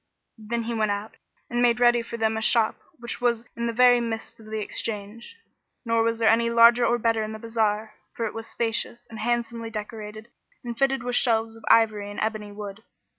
Then he went out and made ready for them a shop which was in the very midst of the Exchange; nor was there any larger or better in the bazar, for it was spacious and handsomely decorated and fitted with shelves of ivory and ebony wood.